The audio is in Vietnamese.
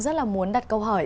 rất là muốn đặt câu hỏi